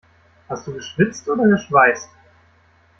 Hast du geschwitzt oder geschweißt?